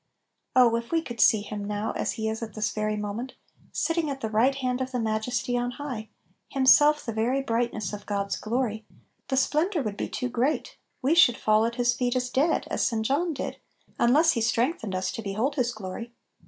" Oh if we could see Him now, as He is at this very moment, sitting at the right h<md of Little Pillows. 6l the Majesty on high, Himself the very brightness of God's glory, the splendor would be too great, we should fall at His feet as dead, as St. John did, un less He strengthened us to behold His glory.